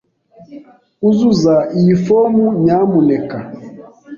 Uzuza iyi fomu, nyamuneka.